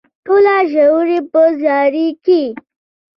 ټوله ژوي په زاري کې.